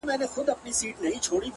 يا الله تې راته ژوندۍ ولره!